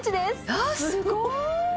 わあすごい！